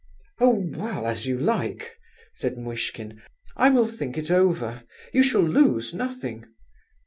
"Oh well, as you like!" said Muishkin. "I will think it over. You shall lose nothing!"